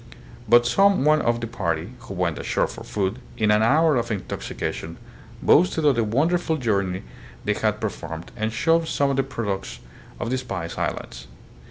But some one of the party, who went ashore for food, in an hour of intoxication boasted of the wonderful journey they had performed and showed some of the products of the Spice Islands.